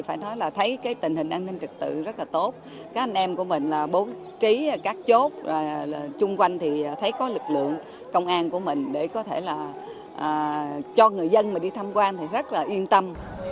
phải nói là thấy cái tình hình an ninh trật tự rất là tốt các anh em của mình là bố trí các chốt chung quanh thì thấy có lực lượng công an của mình để có thể là cho người dân mình đi tham quan thì rất là yên tâm